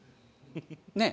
ねえ？